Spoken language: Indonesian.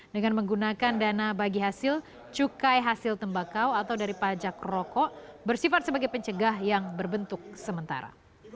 dengan menggunakan dana bagi hasil cukai hasil tembakau atau dari pajak rokok bersifat sebagai pencegah yang berbentuk sementara